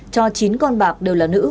cho chín con bạc đều là nữ